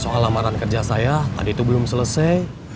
soal lamaran kerja saya tadi itu belum selesai